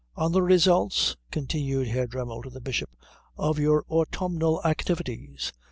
" on the results," continued Herr Dremmel to the Bishop, "of your autumnal activities.